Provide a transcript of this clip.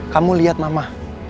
kamu lihat mama